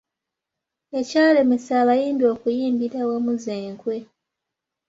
Ekyalemesa abayimbi okuyimbira awamu z’enkwe.